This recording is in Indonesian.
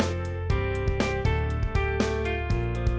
aduh aduh aduh aduh